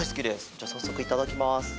じゃあ早速いただきます。